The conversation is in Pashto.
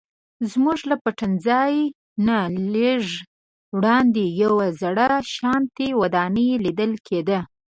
زموږ له پټنځي نه لږ وړاندې یوه زړه شانتې ودانۍ لیدل کیده.